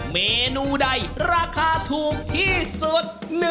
เมนูใดราคาถูกที่สุด